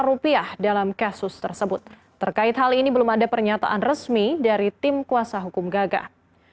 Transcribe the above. rupiah dalam kasus tersebut terkait hal ini belum ada pernyataan resmi dari tim kuasa hukum gagah